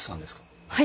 はい。